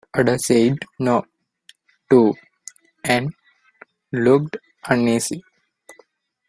Ada said no, too, and looked uneasy.